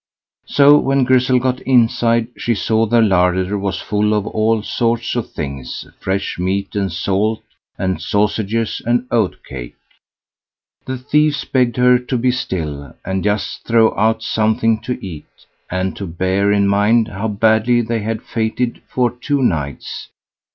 So when Grizzel got inside, she saw the larder was full of all sorts of things, fresh meat and salt, and sausages and oat cake. The thieves begged her to be still, and just throw out something to eat, and to bear in mind how badly they had fated for two nights.